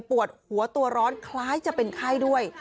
ปวดหัวตัวร้อนคล้ายจะเป็นไข้ด้วย